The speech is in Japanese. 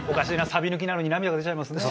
サビ抜きなのに涙が出ちゃいますね。